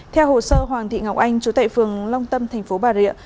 theo hồ sơ hoàng thị ngọc anh chủ tệ phường long tâm tp bà rịa